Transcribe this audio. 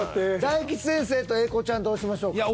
大吉先生と英孝ちゃんどうしましょうか。